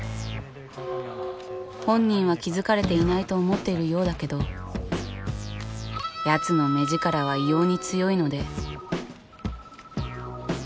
本人は気付かれていないと思っているようだけどやつの目力は異様に強いので。